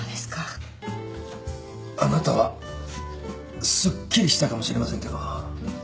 あなたはすっきりしたかもしれませんけど。